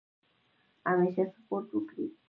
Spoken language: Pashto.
همیشه سپورټ وکړئ.